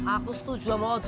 aku setuju sama ojak tuhi